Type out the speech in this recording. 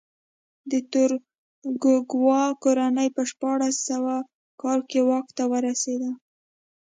د توکوګاوا کورنۍ په شپاړس سوه کال کې واک ته ورسېده.